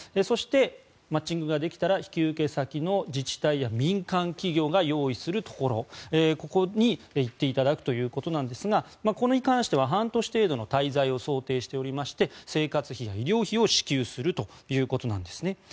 そして、マッチングができたら引き受け先の自治体や民間企業が用意するところここに行っていただくということなんですがこれに関しては半年程度の滞在を想定しておりまして生活費や医療費を支給するということです。